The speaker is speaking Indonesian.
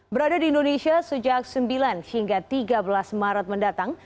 berada di indonesia sejak sembilan hingga tiga belas maret mendatang